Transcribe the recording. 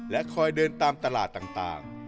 คอยเดินตามตลาดต่าง